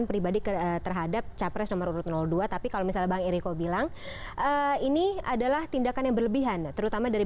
menurut dua tapi kalau misal bang eriko bilang ini adalah tindakan yang berlebihan terutama dari